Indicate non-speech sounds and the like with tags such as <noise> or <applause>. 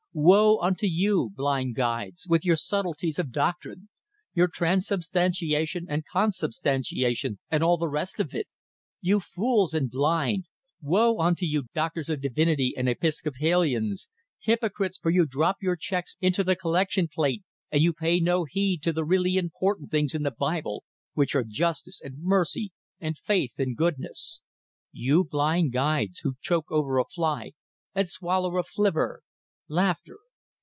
Woe unto you, blind guides, with your subtleties of doctrine, your transubstantiation and consubstantiation and all the rest of it; you fools and blind! Woe unto you, doctors of divity and Episcopalians, hypocrites! for you drop your checks into the collection plate and you pay no heed to the really important things in the Bible, which are justice and mercy and faith in goodness. You blind guides, who choke over a fly and swallow a flivver! <laughs>